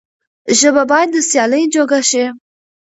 ژبه بايد د سيالۍ جوګه شي.